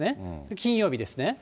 金曜日ですね。